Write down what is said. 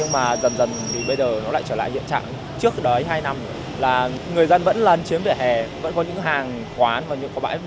mà tôi thấy tình trạng còn nghiêm trọng hơn